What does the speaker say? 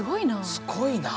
すごいな。